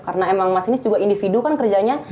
karena emang mas ini juga individu kan kerjanya